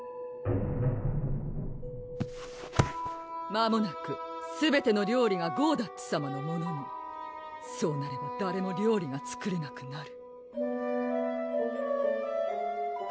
まもなくすべての料理がゴーダッツさまのものにそうなれば誰も料理が作れなくなる